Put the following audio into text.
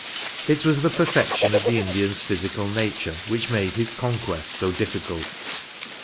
It was the perfection of the Indian's physical nature which made his conquest so difficult.